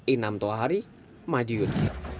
inam tohari madiun